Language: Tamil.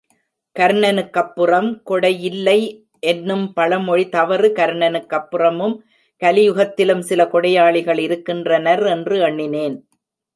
கர்ணனுக்கப்புறம் கொடையில்லை என்னும் பழமொழி தவறு கர்ணனுக்கப்புறமும் கலியுகத்திலும் சில கொடையாளிகள் இருக்கின்றனர் என்று எண்ணினேன்.